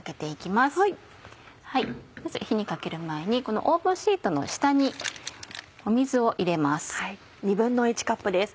まず火にかける前にオーブンシートの下に水を入れます。